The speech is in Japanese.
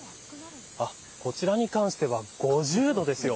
こちらに関しては５０度ですよ。